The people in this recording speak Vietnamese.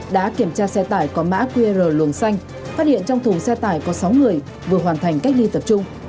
đã kiểm tra xe tải có mã qr luồng xanh phát hiện trong thùng xe tải có sáu người vừa hoàn thành cách ly tập trung